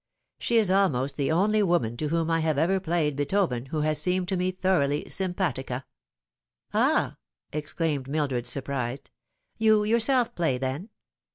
She is almost the only woman to whom I have ever played Beethoven who has seemed to me thoroughly simpatica." "Ah!" exclaimed Mildred, surprised, "you yourself play, then